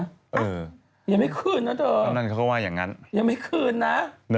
อ่ะยังไม่คืนนะเถอะยังไม่คืนนะ